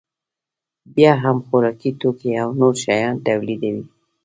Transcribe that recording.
بیا هم خوراکي توکي او نور شیان تولیدوي